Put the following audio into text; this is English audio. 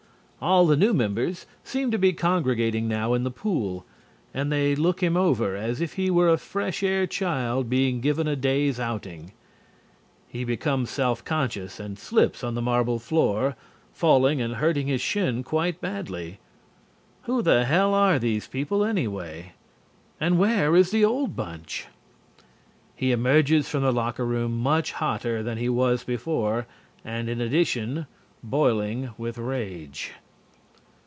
All the new members seem to be congregated now in the pool and they look him over as if he were a fresh air child being given a day's outing. He becomes self conscious and slips on the marble floor, falling and hurting his shin quite badly. Who the hell are these people anyway? And where is the old bunch? He emerges from the locker room much hotter than he was before and in addition, boiling with rage.